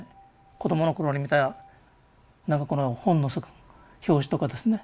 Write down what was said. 子供の頃に見たなんかこの本の表紙とかですね